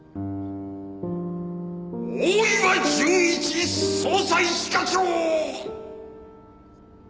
大岩純一捜査一課長！